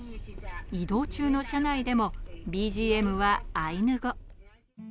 移動中の車内でもＢＧＭはアイヌ語。